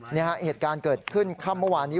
นี่ฮะเหตุการณ์เกิดขึ้นค่ำเมื่อวานนี้